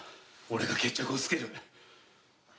俺が決着をつける。